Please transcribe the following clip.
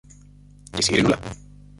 Και συ, Ειρηνούλα;